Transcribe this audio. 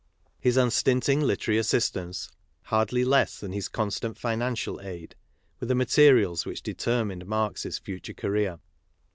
His unstinting literary assistance hardly less than his constant financial aid were the materials which determined Marx's future career.